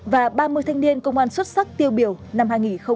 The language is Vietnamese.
và ba mươi thanh niên công an xuất sắc tiêu biểu năm hai nghìn một mươi chín